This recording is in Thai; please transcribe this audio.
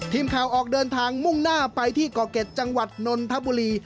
ทีมข่าวออกเดินทางมุ่งหน้าไปที่กรเกร็ดจังหวัดนทบุรี